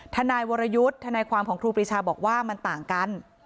ทนายวรยุทธ์ทนายความของครูปรีชาบอกว่ามันต่างกัน